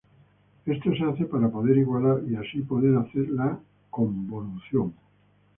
Esto se hace para poder igualar y así poder hacer la convolución.